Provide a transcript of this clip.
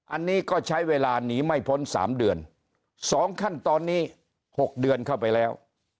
อันนี้ก็ใช้เวลาหนีไม่พ้น๓เดือน๒ขั้นตอนนี้๖เดือนเข้าไปแล้ว